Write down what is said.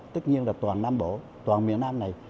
tất nhiên là toàn nam bộ toàn miền nam này